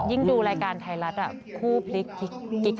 ยิ่งดูรายการไทยรัฐคู่พลิกคลิกคลิก